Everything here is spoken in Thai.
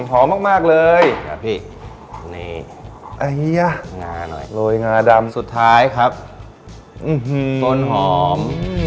หอมมากเลยนี่งาหน่อยโรยงาดำสุดท้ายครับส้นหอม